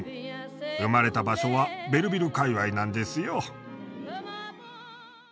生まれた場所はベルヴィル界わいなんですよ。